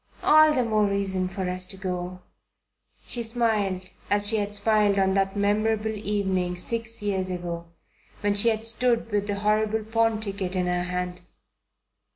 "All the more reason for us to go." She smiled as she had smiled on that memorable evening six years ago when she had stood with the horrible pawn ticket in her hand.